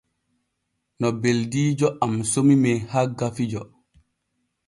No beldiijo am somi men hagga fijo.